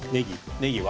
ねぎは？